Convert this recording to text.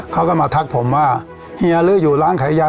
เขาก็มาทักผมว่าเฮียลื้ออยู่ร้านขายยา